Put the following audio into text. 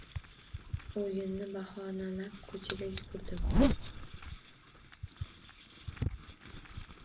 O`yinni bahonalab ko`chaga yugurdim